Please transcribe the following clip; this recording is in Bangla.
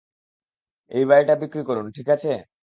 এই বাড়িটা বিক্রি করুন, ঠিক আছে?